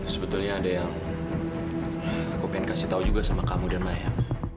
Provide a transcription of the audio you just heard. sebetulnya ada yang aku ingin kasih tahu juga sama kamu dan maya